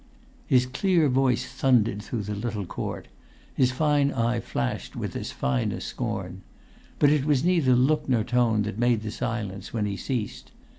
His clear voice thundered through the little court;[Pg 173] his fine eye flashed with as fine a scorn. But it was neither look nor tone that made the silence when he ceased.